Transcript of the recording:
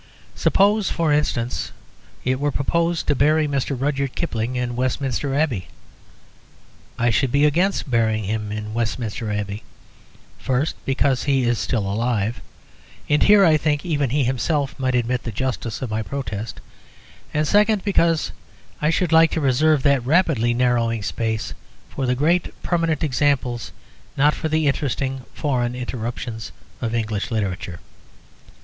Suppose, for instance, it were proposed to bury Mr. Rudyard Kipling in Westminster Abbey. I should be against burying him in Westminster Abbey; first, because he is still alive (and here I think even he himself might admit the justice of my protest); and second, because I should like to reserve that rapidly narrowing space for the great permanent examples, not for the interesting foreign interruptions, of English literature.